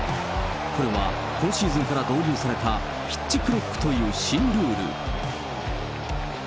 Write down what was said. これは、今シーズンから導入されたピッチクロックという新ルール。